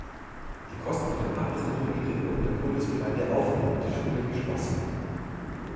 Die Kosten für den Abriss der Ruine wurden der Kultusgemeinde auferlegt, die Schule geschlossen.